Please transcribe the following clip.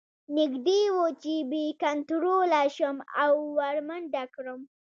نږدې وه چې بې کنتروله شم او ور منډه کړم